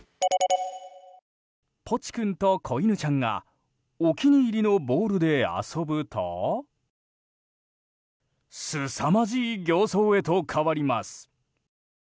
ポチ君と子犬ちゃんがお気に入りのボールで遊ぶとすさまじい形相へと変わります。